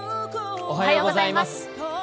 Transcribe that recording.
おはようございます。